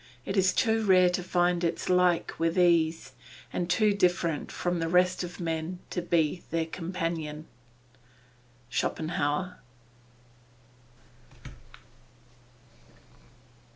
It is too rare to find its like with ease, and too different from the rest of men to be their companion. SCHOPENHAUER.